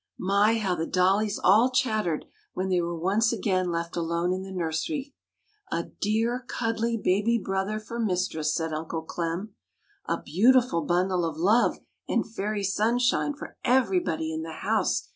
My, how the dollies all chattered when they were once again left alone in the nursery! "A dear cuddly baby brother for Mistress!" said Uncle Clem. "A beautiful bundle of love and Fairy Sunshine for everybody in the house!"